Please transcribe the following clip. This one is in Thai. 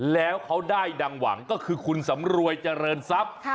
แล้วเขาได้ดังหวังก็คือคุณสำรวยเจริญทรัพย์